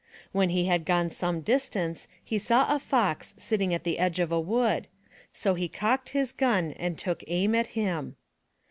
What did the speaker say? When he had gone some distance he saw a Fox sitting at the edge of a wood. So he cocked his gun and took aim at him.